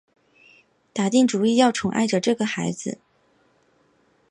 打定主意要宠爱着这个孩子